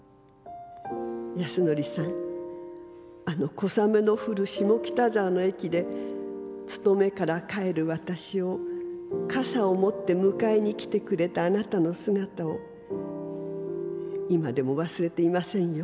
安典さんあの小雨のふる下北沢の駅で勤めから帰る私を傘をもって迎えにきてくれたあなたの姿を今でも忘れていませんよ。